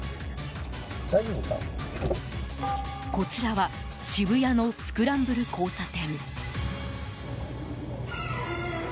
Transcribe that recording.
こちらは渋谷のスクランブル交差点。